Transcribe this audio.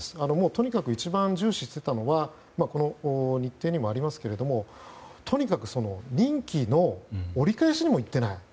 とにかく一番重視していたのは日程にもありますけれどもとにかく、任期の折り返しにも来ていない。